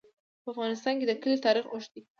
په افغانستان کې د کلي تاریخ اوږد دی.